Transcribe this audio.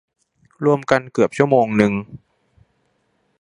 รวมกันเกือบชั่วโมงนึง